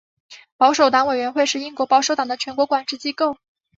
保守党委员会是英国保守党的全国管制机构。